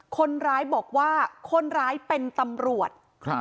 คนร้ายบอกว่าคนร้ายเป็นตำรวจ